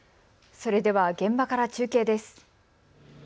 それでは現場から中継です。